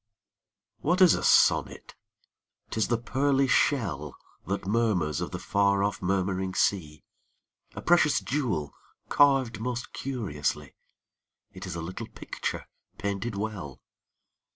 What is a sonnet ? T is the pearly shell That mormnrs of the f ar o£P murmuring sea ; A precious jewel carved most curiously ; It is a little picture painted well.